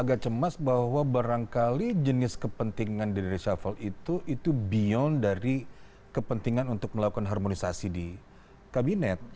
agak cemas bahwa barangkali jenis kepentingan dari reshuffle itu itu beyond dari kepentingan untuk melakukan harmonisasi di kabinet